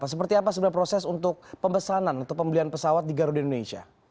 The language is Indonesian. seperti apa sebenarnya proses untuk pembesanan atau pembelian pesawat di garuda indonesia